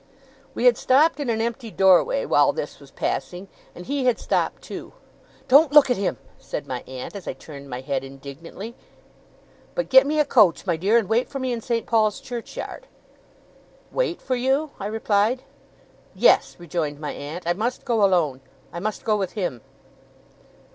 We had stopped in an empty door way, while this was passing, and he had stopped too. 'Don't look at him!' said my aunt, as I turned my head indignantly, 'but get me a coach, my dear, and wait for me in St. Paul's Churchyard.' 'Wait for you?' I replied. 'Yes,' rejoined my aunt. 'I must go alone. I must go with him.